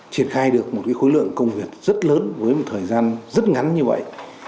triển khai được một khối lượng công việc rất lớn với một thời gian rất ngắn như vậy